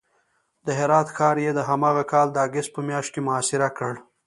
د هرات ښار یې د هماغه کال د اګست په میاشت کې محاصره کړ.